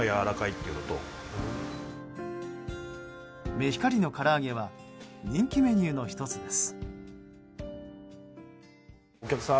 メヒカリのから揚げは人気メニューの１つです。